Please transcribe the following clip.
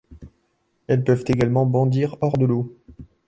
Elles peuvent également bondir hors de l'eau.